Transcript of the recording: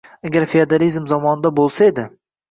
«Agar feodalizm zamonida bo‘lsa edi